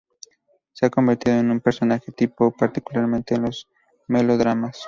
Se ha convertido en un personaje tipo, particularmente en los melodramas.